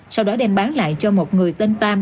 sau đó đem bán lại cho một người tên tam